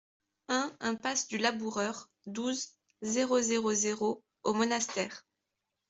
un impasse du Laboureur, douze, zéro zéro zéro au Monastère